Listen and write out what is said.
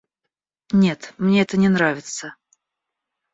Нет, мне это не нравится.